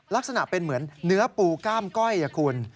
ลักษณะเป็นเหมือนเนื้อปูกล้ามก้อยคุณ